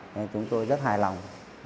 nên chúng tôi rất hài lòng